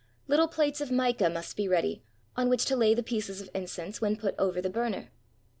Little plates of mica must be ready, on which to lay the pieces of incense when put over the burner.